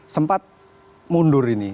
sempat mundur ini